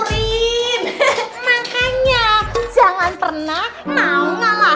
kasian udah mendingan pulang aja